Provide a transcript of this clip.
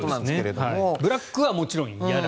ブラックはもちろん嫌だ。